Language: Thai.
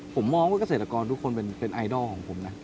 ผมมองว่าเกษตรกรทุกคนเป็นไอดอลของผมนะ